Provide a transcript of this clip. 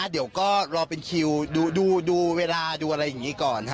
เดี๋ยวก็รอเป็นคิวดูเวลาดูอะไรอย่างนี้ก่อน